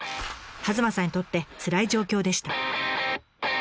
弭間さんにとってつらい状況でした。